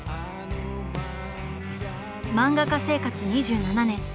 漫画家生活２７年。